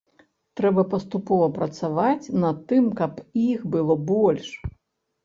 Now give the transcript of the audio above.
Трэба паступова працаваць над тым, каб іх было больш.